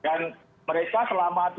dan mereka selama dua ribu dua puluh satu